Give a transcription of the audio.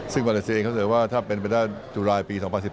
ซึ่งมาเลเซียเองเขาเสียว่าถ้าเป็นไปด้านจุลายปี๒๐๑๘